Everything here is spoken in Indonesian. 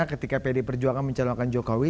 ketika pdi perjuangan mencalonkan jokowi